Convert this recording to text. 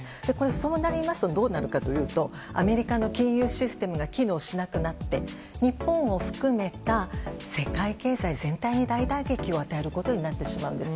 そうなりますとどうなるかというとアメリカの金融システムが機能しなくなって日本を含めた世界経済全体に大打撃を与えることになってしまうんです。